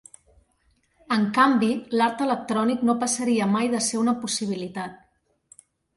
En canvi, l'art electrònic no passaria mai de ser una possibilitat.